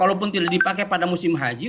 karena apapun tidak dipakai pada musim haji